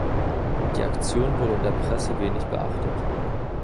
Die Aktion wurde in der Presse wenig beachtet.